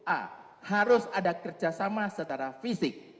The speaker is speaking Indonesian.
a harus ada kerjasama secara fisik